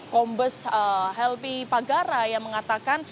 kombes helvi pagara yang mengatakan